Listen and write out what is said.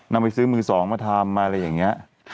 นำไปซื้อมือสองมาทำอะไรอย่างนี้